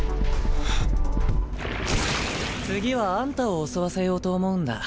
次はあんたを襲わせようと思うんだ。